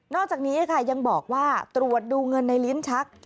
อกจากนี้ค่ะยังบอกว่าตรวจดูเงินในลิ้นชัก